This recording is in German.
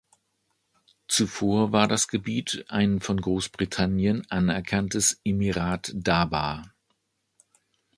Zuvor war das Gebiet ein von Großbritannien anerkanntes Emirat Daba.